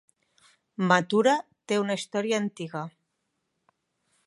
Mathura té una història antiga.